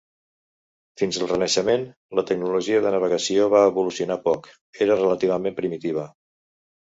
Fins al Renaixement, la tecnologia de navegació va evolucionar poc; era relativament primitiva.